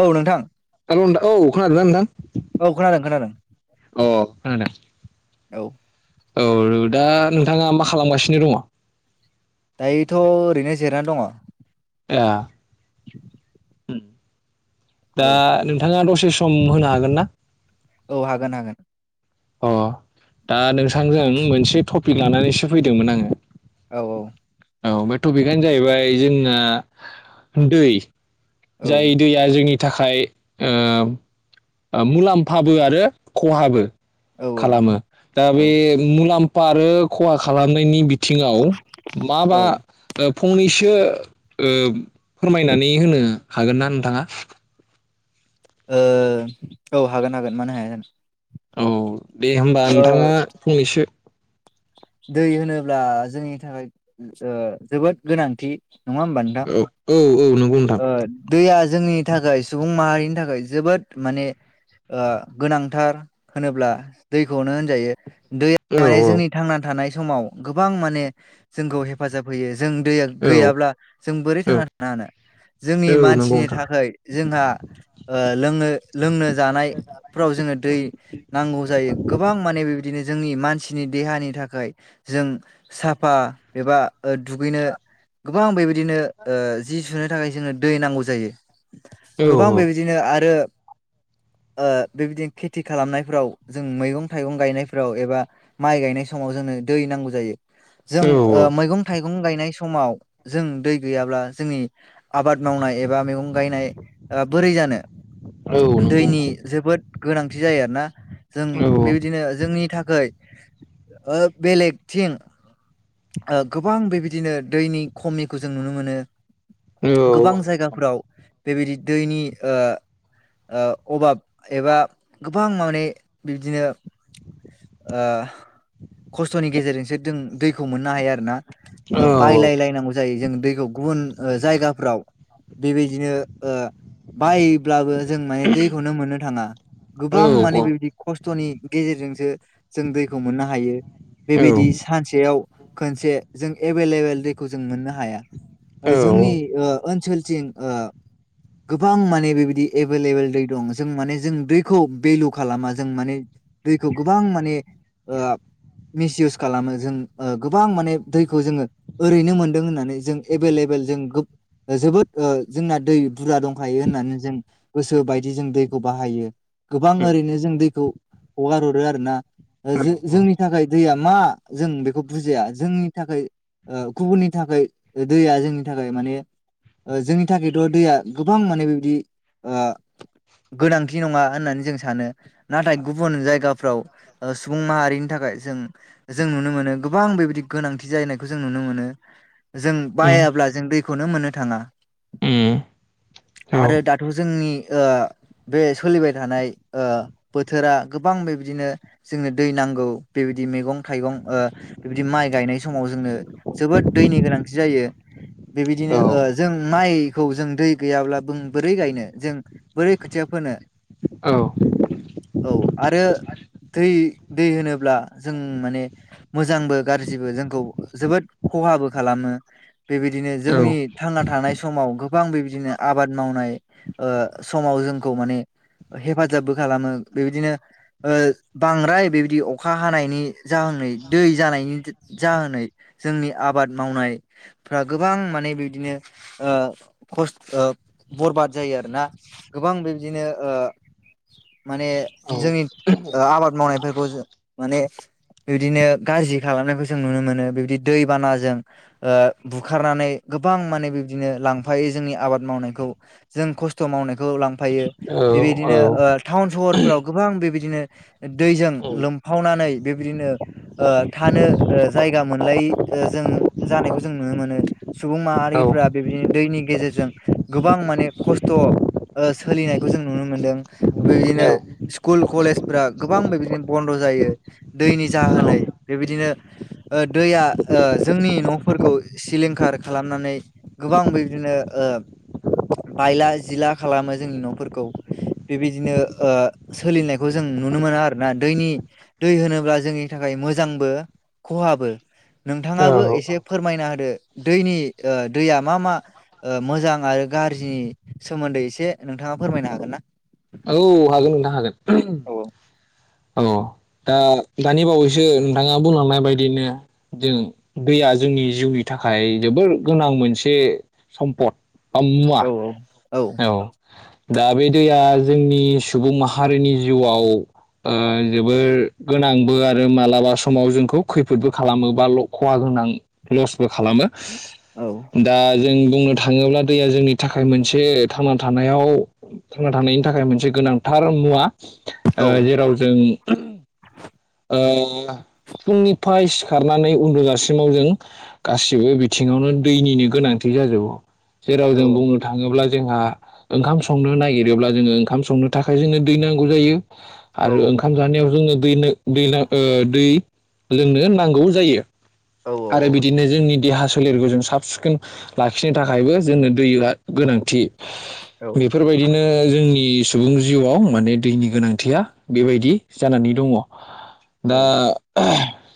औ नोंथां औ खोनादोंना नोंथां औ खोनादों खोनादों औ औ दा नोंथाङा मा खालामगासिनो दङ। दायोथ' ओरैनो जिरनानै दङ ए उ दा नोंथाङा दसे से सम होनो हागोन ना औ हागोन हागोन अ दा नोंथांजों मोनसे टपिक लानानैसो फैदोंमोन आङो औ औ औ बे टपिकआनो जाहैबाय जोंना दै औ जाय दैया जोंनि नि थाखाय मुलाम्फाबो आरो खहाबो औ खालामो दा औ बे मुलाम्फा बा आरो खहा खालामनायनि बिथ बिथिङाव माबा औ ओ ओ फंनैसो ओ फोरमाय नानै होनो हागोन ना नोंथाङा? ओ औ हागोन हागोन मानो हाया जानो। औ। दे होमबा ओ नोंथाङा फंनैसो दै होनोब्ला जोंनि थाखाय ओ जोबोद गोनांथि नङा होमबा औ नोंथां औ औ। नंगौ नोंथां ओ दै आ जोंनि थाखाय सुबुं माहारिनि थाखाय जोबोद माने ओ गोनांथार होनोब्ला दैखौनो होनजायो। दै औ माने जोंनि थांना थानाय समाव गोबां माने जोंखौ हेफाजाब होयो। जों दैया औ गैयाब्ला जों बोरै औ थांना थानो हानो? जोंनि औ नंगौ मानसिनि नोंथां थाखाय जोंहा ओ लोंनो लोंनो जानाय फ्राव जोङो दै नांगौ जायो गोबां माने बेबायदिनो जोंनि मानसिनि देहानि थाखाय जों साफा एबा दुगैनो गोबां बेबायदिनो ओ जि सुनो थाखाय जोंनो दै नांगौ जायो। औ गोबां बेबायदिनो आरो ओ बेबायदिनो खेथि खालामनाय फ्राव जों मैगं-थाइगं गायनाय फ्राव एबा माइ गायनाय समाव जोंनो दै नांगौ जायो। जों औ औ ओ मैगं थाइ गं गायनाय समाव जों दै गैयाब्ला जोंनि आबाद मावनाय ए बा मैगं गायनाय ओ बोरै जानो औ नंगौ दैनि नोंथां जोबोद गोनांथि जायो आरो ना। जों औ बेबायदिनो जोंनि थाखाय ओ बेलेगथिं ओ गोबां बेबायदिनो दैनि खमिखौ जों नुनो मोनो। औ औ गोबां जायगा फोराव बेबायदि दैनि ओ ओ अभाब एबा गोबां माने बिब्दिनो ओ खस्थ'नि गेजेर सो दों दैखौ मोननो हायो आरो ना। बायलाय औ लायनांगौ जायो जों दैखौ गुबुन जायगाफ्राव बेबायदिनो ओ बाय ब्लाबो जों माने दैखौनो मोननो थाङा गोबां मान बेबादि ख स्थ'नि गेजेरजोंसो जों दैखौ मोननो हायो बेबायदि सानसेयाव खनसे जों एभेलेबेल दैखौ जों मोननो हाया। जोंनि ओनसोल [unintelligible] गोबां माने बेबायदि एभेलेबेल दै दं जों माने जों दैखौ भेलु खालामा जों माने दैखौ गोबां माने मिसइउस खालामो जों गोबां माने दैखौ जोङो ओरैनो मोनदों होननानै जों एभे लेबेल जों जोबोद जोंना दै बुरजा दंखायो होननानै जों गोसो बायदि जों दैखौ बाहायो गोबां ओरैनो जों दैखौ हगार हरो आरोना जो जोंनि थाखाय दैया मा जों बेखौ बुजिया जोंनि थाखाय गुबुननि थाखाय दैया जोंनि थाखाय माने जोंनि थाखायथ' दैया गोबां माने बेबायदि गोनांथि नङा होननानै जों सानो नाथाय गुबुन जायगाफ्राव सुबुं माहारिनि थाखाय जों जों नुनो मोनो गोबां बेबायदि गोनांथि जाहैनायखौ जों नुनो मोनो। जों बायाब्ला जों दैखौनो मोननो थाङा आरो दाथ' जोंनि बे सोलिबाय थानाय बोथोरा गोबां बेबादिनो जोंनो दै नांगौ बेबायदि मैगं थाइगं बेबायदि माइ गायनाय समाव जोंनो जोबोद दैनि गोनांथि जायो। बेबायदिनो जों माइखौ जों दै गैयाब्ला जों बोरै गायनो जों बोरै खोथिया फोनो औ आरो दै दै होनोब्ला जों माने मोजांबो गाज्रिबो जोंखौ जोबोद खहाबो खालामो बेबा यदिनो औ जोंनि थांना थानाय समाव गोबां बेबायदिनो आबाद मावनाय समाव जोंखौ माने हेफाजाबबो खालामो बेबायदिनो बांद्राय बेबायदि अखा हानायनि जाहोनै दै जानायनि जाहोनै जोंनि आबाद मावनाय फ्रा गोबां माने बिबदिनो खस बरबाद जायो आरोना गोबां बिब्दिनो माने औ जोंनि आबाद मावनायफोरखौ माने बिबदिनो गाज्रि खालामनायखौ जों नुनो मोनो। बिबदि दैबानाजों बुखारनानै गोबां माने बिबदिनो लांफायो जोंनि आबाद मावनायखौ जों खस्थ' मावनायखौ लां फायो औ बेबादिनो थाउन सहरफ्राव गोबां बेबायदिनो दैजों औ लोमफावनानै बेबायदिनो थानो जायगा मोनलायि जों जानायखौ जों नुनो मोनो सुबुं हागोन माहारिफोरा बेबायदिनो दैनि गेजेरजों गोबां माने खस्थ' सोलिनायखौ जों नुनो मोनदों बेबायदिनो स्कुल कलेजफोरा गोबां बेबायदिनो बन्द' जायो दैनि जाहोनै बेबायदिनो दैया जोंनि न' फोरखौ सिलिंखार खालामनानै गोबां बिदिनो बायला जिला खालामो जोंनि न'फोरखौ बेबायदिनो सोलिनायखौ जों नुनो मोनो आरोना दैनि दै होनोब्ला जोंनि थाखाय मोजांबो खहाबो नोंथाङाबो एसे फोरमायना होदो दैनि दैया मा मा मोजां आरो गाज्रिनि सोमोन्दै एसे नोंथाङा फोरमायनो हागोन ना? औ हागोन नोंथां हागोन। औ औ दा दानि बावैसो नोंथाङा बुंलांनाय बायदिनो जों दैया जोंनि जिउनि थाखाय जोबोर गोनां मोनसे सम्पद। आम मुवा औ औ दा बे दैया जोंनि सुबुं माहारिनि जिउआव ओ जोब बोर गोनांबो आरो मालाबा समाव जोंखौ खैफोदबो खालामो बा खहा गोनां लसबो खालामो। औ दा जों बुंनो थाङोब्ला दैया जोंनि थाखाय मोनसे थांना थानायाव थांना थानायनि थाखाय मोनसे गोनांथार मुवा। औ जेराव जों ओ फुंनि फाय सिखारनानै उन्दुजासिमाव जों गासिबो बिथिङावनो दैनिनो गोनांथि जाजोबो। जेराव जों बुंनो थाङोब्ला जोंहा ओंखाम संनो नागिरोब्ला जोङो ओंखाम संनो थाखाय जोंङनो दै नांगौ जायो। औ आरो ज दै दै दै लोंनो नांगौ जायो। औ आरो बिदिनो जोंनि देहा। सोलेरखौ जों साब सिखोन लाखिनो थाखायबो जोंनो दैआ गोनां थि औ औ बेफोरबायदिनो जोंनि सुबुं जिउआव माने दैनि गोनांथिया बेबायदि जानानै दङ औ दा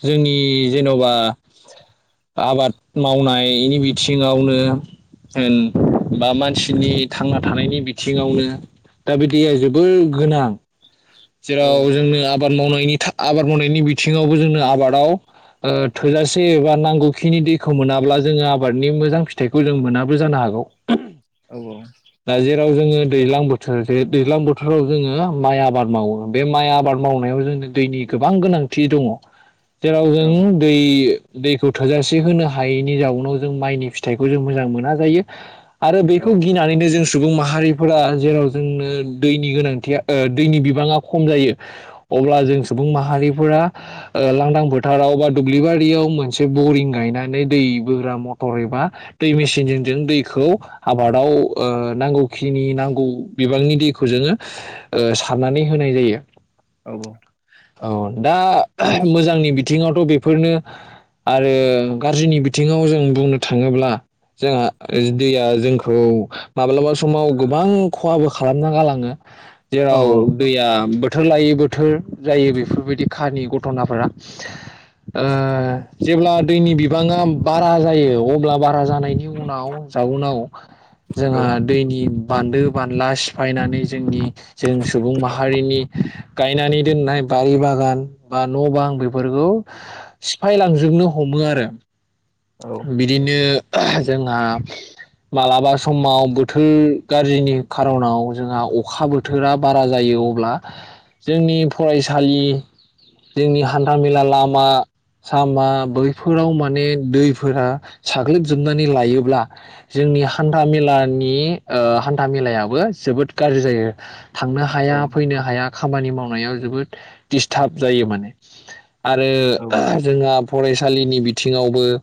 जोंनि जेन'बा आबाद मावनायनि बिथिङावनो होन बा मानसिनि थांना थानायनि बिथिङावनो दा बे दैया जोबोद गोनां। जेराव जोंनो आबा मावनायनि आबाद मावनायनि बिथिङावबो जोंनो आबादाव ओ थोजासे एबा नांगौखिनि दैखौ मोनाब्ला जोङो आबादनि मोजां फिथाइखौ जों मोनाबो जानो हागौ। औ औ दा जेराव जोङो दैज्लां बोथोर जे दैज्लां बोथोराव जोङो माइ आबाद मावो बे माइ आबाद मावनायाव जोंनि दैनि गोबां गोनांथि दङ। जेराव जों दै दैखौ थोजासे होनो हायैनि जाउनाव जों माइनि फिथाइखौ जों मोजां मोना जायो। आरो बेखौ गिनानैनो जों सुबुं माहारिफोरा जेराव जोंनो दैनि गोनांथिया ओ दैनि बिबाङा खम जायो अब्ला जों सुबुं माहारिफोरा ओ लांदां फोथाराव बा दुब्लिबारियाव मोनसे बरिं गायनानै दै बोग्रा मथर एबा दै मेसिनजों जों दैखौ आबादाव ओ नांगौखिनि नांगौ बिबांनि दैखौ जोङो सारनानै होनाय जायो। औ दा मोजांनि बि थिङावथ' बे फोरनो आरो गाज्रिनि बिथिङाव जों बुंनो थाङोब्ला जोंहा दैया जोंखौ माब्लाबा समाव गोबां खहाबो खालामना गालाङो। जेराव दैया बो बोथोर लायै बोथोर जायो बेफोरबायदि खानि घथ'नाफोरा। ओ जेब्ला दैनि बिबाङा बारा जायो अब्ला बारा जानाय नि उनाव जाउनाव जोंहा दैनि बान्दो बानला सिफायनानै जोंनि जों सुबुं माहारिनि गायनानै दोननाय बारि बागान बा न' बां बेफोरखौ सिफाय लांजोबनो हमो आरो। बिदिनो जोंहा मालाबा समाव बोथोर गाज्रिनि खार'नाव जोंहा अखा बोथोरा बारा जायो अब्ला जोंनि फरायसालि जोंनि हान्था मेला लामा सामा बैफोराव माने दै फोर साग्लोबजोबनानै लायोब्ला जोंनि हान्था मेलानि ओ हान्था मेलायाबो जोबोद गाज्रि जायो। थांनो हाया फैनो हाया खामानि मावनायाव जोबोद दिडस्टार्ब जायो माने। आरो जोंहा फरायसा लिनि बिथिङावबो ओ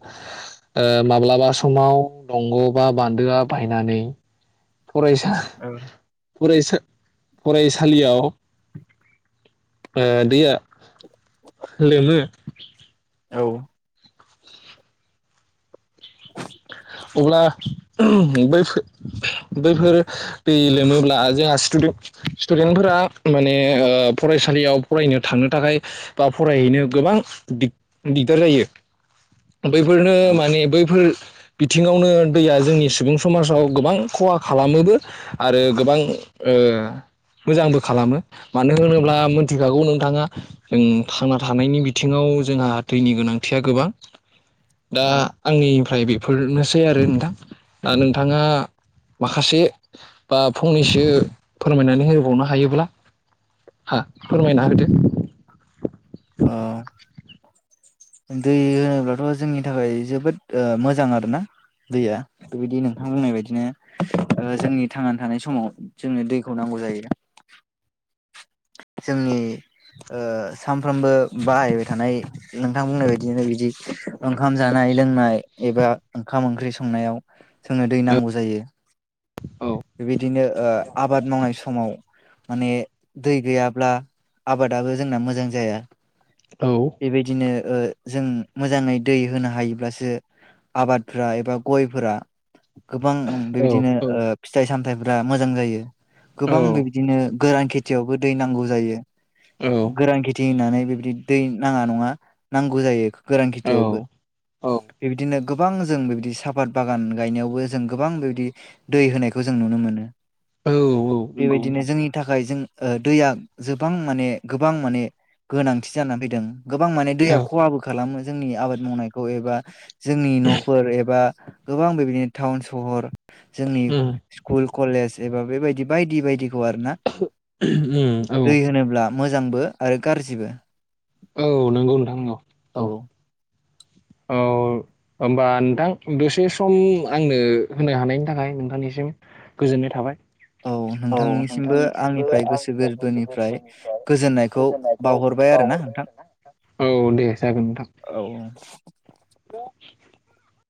माब्लाबा समाव दंग' बा बान्दोआ बायनानै फरायसा फरायसा फरायसालियाव ओ दैया लोमो। औ अब्ला बैफोर बैफोर दै लोमोब्ला जोंहा स्टु स्टुडेन्टफोरा माने फरायसालियाव फरायनो थांनो थाखाय बा फरायहैनो गोबां दि दिग्दार जायो बैफोरनो माने बैफोर बिथिङावनो दैया जोंनि सुबुं समाजाव गोबां खहा खालामोबो आरो गोबां ओ मोजांबो खालामो मानो होनोब्ला मोनथिखागौ नोंथाङा जों थांना थानायनि बिथिङाव जोंहा दैनि गोनांथिया गोबां दा ओ आंनिफ्राय बे फोरनोसै आरो नोंथां दा नोंथाङा माखासे बा फंनैसो फोरमायनानै होबावनो हायोब्ला हा फोरमायना होदो ओ दै होनोब्लाथ' जोंनि थाखाय जोबोद मोजां आरोना दैया बेबायदि नोंथां बुंनाय बायदिनो जोंनि थांनानै थानाय समाव जोंनो दैखौ नांगौ जायो जोंनि सानफ्रोमबो बाहायबाय थानाय नोंथां बुंनाय बायदिनो बिदि ओंखाम, जानाय- लोंनाय एबा ओंखाम-ओंख्रि संनायाव जोंनो दै नांगौ जायो औ बे बिदिनो आबाद मावनाय समाव माने दै गैयाब्ला आबादाबो जोंना मोजां जाया औ बेबायदिनो ओ जों मोजाङै दै होनो हायोब्लासो आबादफोरा एबा गयफोरा गोबां औ बेबायदिनो औ ओ फिथाइ -सामथाय ब्रा मोजां जायो औ गोबां बिबदिनो गोरान खेथियावबो दै नांगौ जायो गोरान खेथि होननानै बेबदि दै नाङा नङा नांगौ जायो गोरान औ खेथियावबो औ बेबायदिनो गोबां जों बेबायदि सापात बागान गायनायावबो जों गोबां बेबायदि दै होनायखौ जों नुनो मोनो औ नंगौ बेबायदिनो नोंथां जोंनि थाखाय जों ओ दैया गोबां माने गोबां माने गोनांथि जानानानै फैदों गोबां माने दैया औ खहाबो खालामो जोंनि आबाद मावनायखौ एबा जोंनि न'फोर एबा गोबां बेबायदिनो टाउन सहर जोंनि उम स्कुल कलेज एबा बेबायदि बायदि बायदिखौ आरो ना। उम औ दै होनोब्ला मोजांबो आरो गाज्रिबो औ नंगौ नोंथां नंगौ औ औ होमबा नोंथां दसे सम आंनो होनो हानायनि थाखाय नोंथांनिसिम गोजोननाय थाबाय औ नोंथांनिसिमबो आंनिफ्राय गोसो गोरबोनिफ्राय गोजोननायखौ बावहरबाय आरोना नोंथां औ दे जागोन नोंथां औ औ [unintelligible]